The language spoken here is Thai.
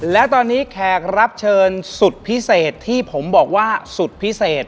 และตอนนี้แขกรับเชิญสุดพิเศษที่ผมบอกว่าสุดพิเศษ